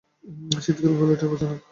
শীত-কাল বলে টের পাচ্ছেন না।